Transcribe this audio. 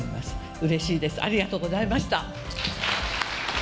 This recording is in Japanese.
うれしいです、ありがとうございました。